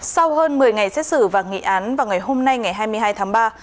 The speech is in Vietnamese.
sau hơn một mươi ngày xét xử và nghị án vào ngày hôm nay ngày hai mươi hai tháng ba